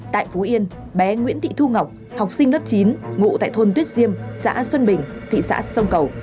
tại phú yên bé nguyễn thị thu ngọc học sinh lớp chín ngụ tại thôn tuyết diêm xã xuân bình thị xã sông cầu